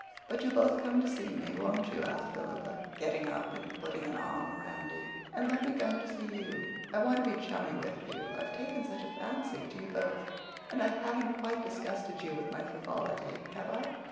"But you'll both come to see me, won't you?" asked Philippa, getting up and putting an arm around each. "And let me come to see you. I want to be chummy with you. I've taken such a fancy to you both. And I haven't quite disgusted you with my frivolity, have I?"